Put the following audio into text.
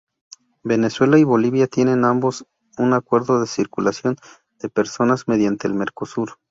Venezuela y Bolivia tienen ambos un acuerdo de circulación de personas mediante el Mercosur.